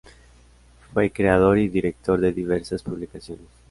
Fue creador y director de diversas publicaciones.